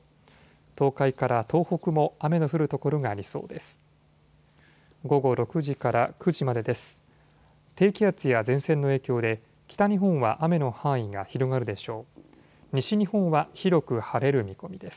東海から東北も雨の降る所がありそうです。